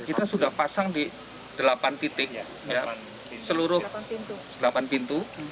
kita sudah pasang di delapan titik seluruh delapan pintu